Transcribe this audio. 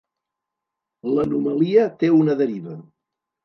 L'Anomalia té una deriva.